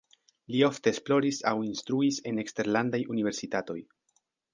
Li ofte esploris aŭ instruis en eksterlandaj universitatoj.